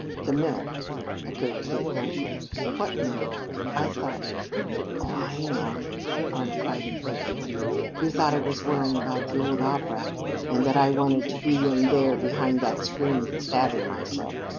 "The milk!" echoed Kate blankly. "What milk? I thought " "Oh, I know," Marna cried impatiently. "You thought I was worrying about that old opera, and that I wanted to be up there behind that screen stabbing myself.